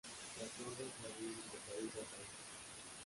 Las normas varían de país a país.